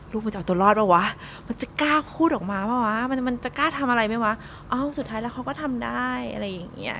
มันจะเอาตัวรอดเปล่าวะมันจะกล้าพูดออกมาเปล่าวะมันจะกล้าทำอะไรไหมวะเอ้าสุดท้ายแล้วเขาก็ทำได้อะไรอย่างเงี้ย